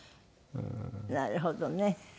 なるほどね。